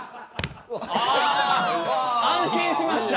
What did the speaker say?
あ安心しました。